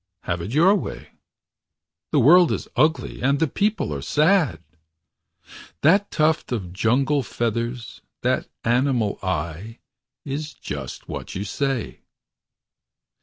Have it your way. The world is ugly. And the people are sad. That tuft of jungle feathers. 25 That animal eye. Is just what you say.